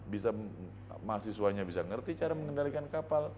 bisa mahasiswanya bisa ngerti cara mengendalikan kapal